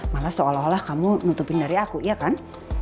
malah seolah olah kamu nutupin dari aku iya kan